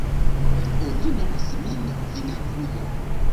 Oni nomas min vinagrujo.